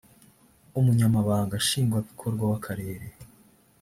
umunyamabanga nshingwabikorwa wakarere